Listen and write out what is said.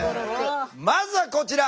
まずはこちら！